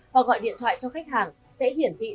hoặc gọi điện thoại cho khách hàng sẽ hiển thị